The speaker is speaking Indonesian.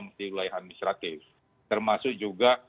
wilayah administratif termasuk juga